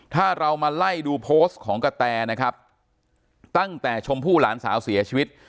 ถ้าเรามาไล่ดูโพสต์ของกะแตนะครับตั้งแต่ชมพู่หลานสาวเสียชีวิต